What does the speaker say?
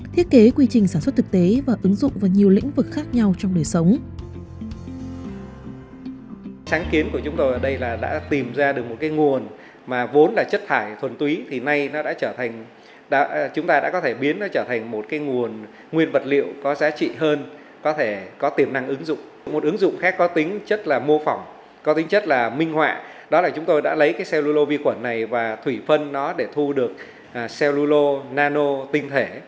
thiết kế quy trình sản xuất thực tế và ứng dụng vào nhiều lĩnh vực khác nhau trong đời sống